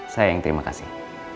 saya yang terima kasih